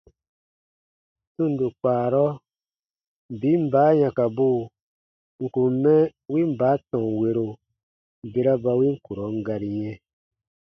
Tundo kpaarɔ, biin baa yãkabuu n kùn mɛ win baa tɔnwero bera ba win kurɔn gari yɛ̃,